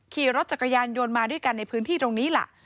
ขี่รถจักรยานยนต์มาด้วยกันในพื้นที่ตรงนี้ล่ะ